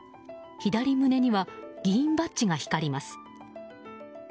左胸には議員バッジが光ります。